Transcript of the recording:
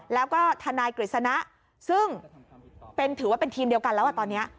แล้วก็ทนายกฤษณะซึ่งถือว่าเป็นทีมเดียวกันแล้วตอนนี้